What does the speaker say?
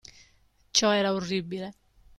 Ciò era orribile.